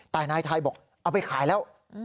แต่นายไทยบอกเอาไปขายแล้ว